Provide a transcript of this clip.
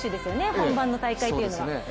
本番の大会っていうのは。